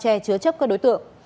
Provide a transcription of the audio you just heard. pháp luật sẽ chứa chấp các đối tượng